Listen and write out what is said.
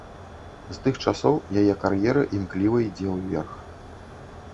З тых часоў яе кар'ера імкліва ідзе ўверх.